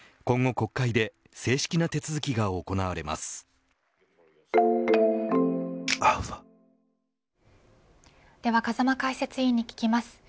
今後、国会で正式な手続きが行われます。